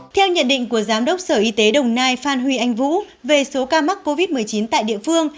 theo nhận định của giám đốc sở y tế đồng nai phan huy anh vũ về số ca mắc covid một mươi chín tại địa phương